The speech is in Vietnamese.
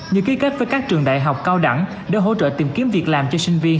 như ký kết với các trường đại học cao đẳng để hỗ trợ tìm kiếm việc làm cho sinh viên